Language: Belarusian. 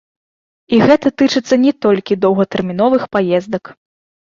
І гэта тычыцца не толькі доўгатэрміновых паездак.